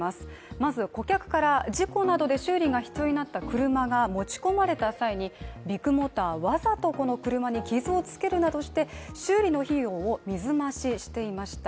まず、顧客から事故などで修理が必要になった車が持ち込まれた際にビッグモーターはわざとこの車に傷をつけるなどして修理の費用を水増ししていました。